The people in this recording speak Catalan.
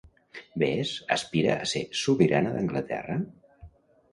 Bess aspira a ser sobirana d'Anglaterra?